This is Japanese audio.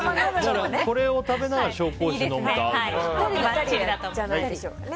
これを食べながら紹興酒を飲むと合いますね。